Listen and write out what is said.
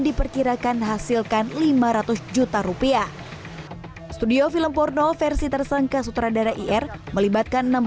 diperkirakan hasilkan lima ratus juta rupiah studio film porno versi tersangka sutradara ir melibatkan enam